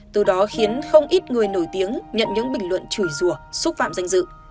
từ đó khiến không ít người nổi tiếng nhận những bình luận chùi rùa xúc phạm danh dự